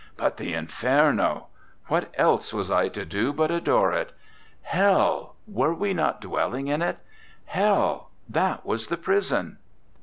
But the Inferno! What else was I to do but adore it? Hell were we not dwelling in it? Hell, that was the prison."